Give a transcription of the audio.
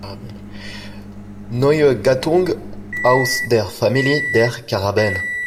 Neue Gattung aus der Familie der Caraben.